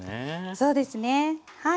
そうですねはい。